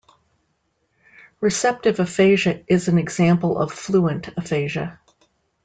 Receptive aphasia is an example of fluent aphasia.